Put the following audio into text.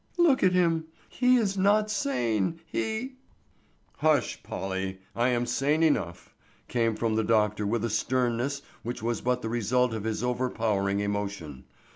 Look at him! He is not sane! He——" "Hush, Polly! I am sane enough," came from the doctor with a sternness which was but the result of his overpowering emotion.